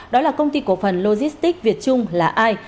đó là công ty cổ phần logistics việt trung là ai